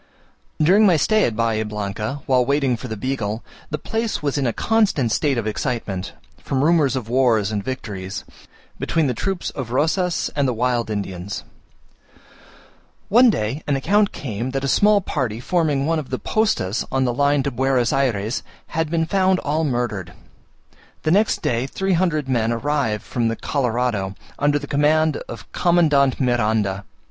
During my stay at Bahia Blanca, while waiting for the Beagle, the place was in a constant state of excitement, from rumours of wars and victories, between the troops of Rosas and the wild Indians. One day an account came that a small party forming one of the postas on the line to Buenos Ayres, had been found all murdered. The next day three hundred men arrived from the Colorado, under the command of Commandant Miranda.